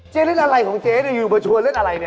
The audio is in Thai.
เจ๊เล่นอะไรของเจ๊ที่อยู่บัญชวันเล่นอะไรนี่